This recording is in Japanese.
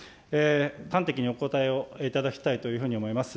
端的にお答えをいただきたいというふうに思います。